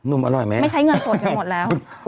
ุ่มอร่อยไหมไม่ใช้เงินสดกันหมดแล้ว